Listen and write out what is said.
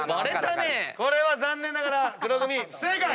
これは残念ながら黒組不正解！